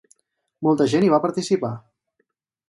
Molta gent hi va participar.